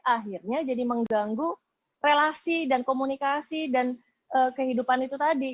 akhirnya jadi mengganggu relasi dan komunikasi dan kehidupan itu tadi